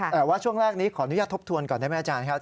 แต่ว่าช่วงแรกนี้ขออนุญาตทบทวนก่อนได้ไหมอาจารย์ครับ